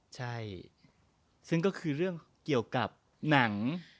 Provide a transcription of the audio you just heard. ใช่ซึ่งก็คือเรื่องเกี่ยวกับหนัง